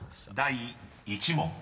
［第１問］